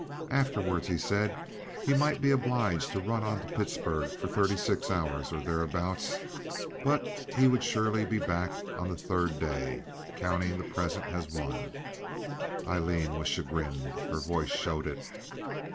Afterward he said he might be obliged to run on to Pittsburg for thirty six hours or thereabouts; but he would surely be back on the third day, counting the present as one. Aileen was chagrined. Her voice showed it.